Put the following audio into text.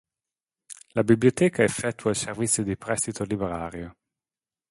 La biblioteca effettua il servizio di prestito librario.